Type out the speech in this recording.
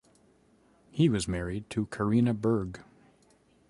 He was married to Carina Berg.